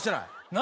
何？